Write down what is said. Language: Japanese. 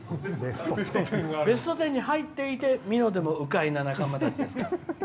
ベスト１０に入っていて美濃でも鵜飼な仲間たちですから。